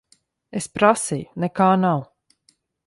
Es prasīju. Nekā nav.